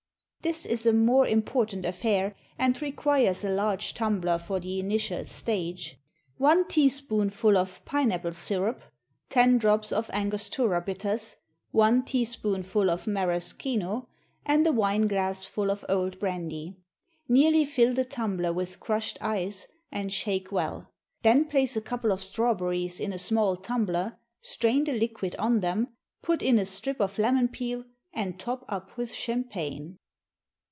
_ This is a more important affair, and requires a large tumbler for the initial stage. One teaspoonful of pine apple syrup, ten drops of Angostura bitters, one teaspoonful of maraschino, and a wine glassful of old brandy. Nearly fill the tumbler with crushed ice, and shake well. Then place a couple of strawberries in a small tumbler, strain the liquid on them, put in a strip of lemon peel, and top up with champagne.